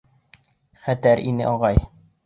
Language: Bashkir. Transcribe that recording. Хәтәр ине ағай.